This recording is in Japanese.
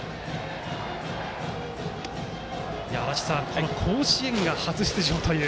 足達さん、甲子園が初出場という。